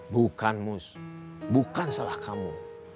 bukan mus bukan salah kamu